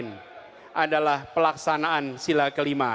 yang adalah pelaksanaan sila kelima